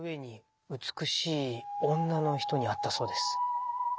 美しい女の人に会ったそうです。